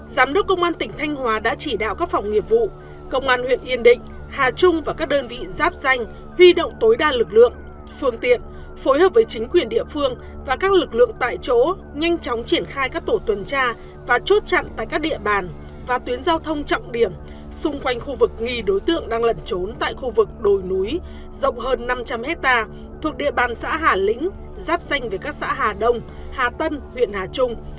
giám đốc công an tỉnh thanh hòa đã chỉ đạo các phòng nghiệp vụ công an huyện yên định hà trung và các đơn vị giáp danh huy động tối đa lực lượng phương tiện phối hợp với chính quyền địa phương và các lực lượng tại chỗ nhanh chóng triển khai các tổ tuần tra và chốt chặn tại các địa bàn và tuyến giao thông trọng điểm xung quanh khu vực nghi đối tượng đang lẩn trốn tại khu vực đồi núi rộng hơn năm trăm linh hectare thuộc địa bàn xã hà lĩnh giáp danh về các xã hà đông hà tân huyện hà trung